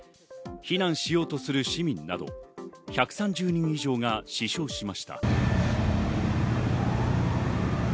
避難しようとする市民など１３０人以上が死傷しました。